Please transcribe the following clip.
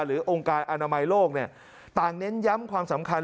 องค์การอนามัยโลกต่างเน้นย้ำความสำคัญ